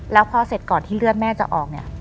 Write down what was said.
แล้วพอเสร็จก่อนที่เลือดแม่จะออกเนี่ย